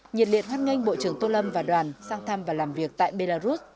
nhiệt liệt hoát ngânh bộ trưởng tô lâm và đoàn sang thăm và làm việc tại belarus